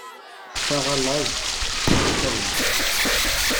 Ffeɣ a laẓ, kcemm a tawant.